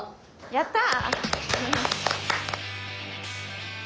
やった！